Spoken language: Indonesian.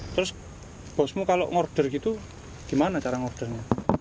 terus bosmu kalau ngorder gitu gimana cara ngordernya